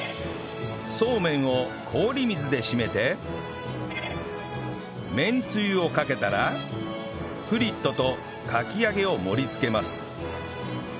そうめんを氷水で締めてめんつゆをかけたらフリットとかき揚げを盛り付けます